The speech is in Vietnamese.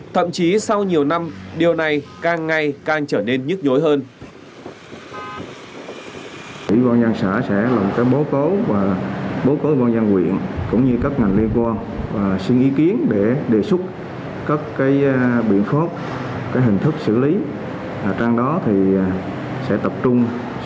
thậm chí sau nhiều năm điều này càng ngay càng trở nên nhức nhối hơn